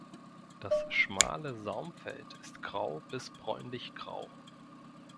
Das schmale Saumfeld ist grau bis bräunlichgrau.